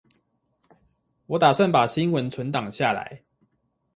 我打算把新聞存檔下來